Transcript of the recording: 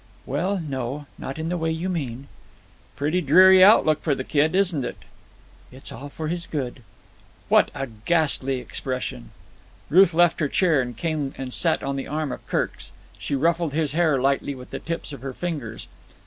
"Well, no. Not in the way you mean." "Pretty dreary outlook for the kid, isn't it?" "It's all for his good." "What a ghastly expression!" Ruth left her chair and came and sat on the arm of Kirk's. She ruffled his hair lightly with the tips of her fingers.